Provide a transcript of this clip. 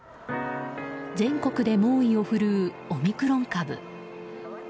全国で猛威を振るうオミクロン株。